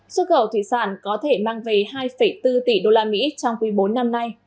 xuất khẩu thủy sản có thể mang về hai bốn tỷ usd trong quý bốn năm nay